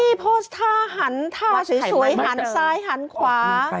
นี่โพสต์ท่าหันท่าสวยหันซ้ายหันขวา